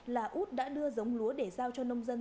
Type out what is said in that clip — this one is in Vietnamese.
là út đã đưa giống lúa để giao cho nông dân